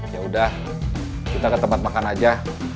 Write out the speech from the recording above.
yaudah kita ke tempat makan aja